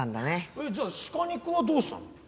えっじゃあ鹿肉はどうしたの？